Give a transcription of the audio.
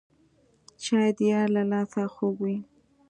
چای د یار له لاسه خوږ وي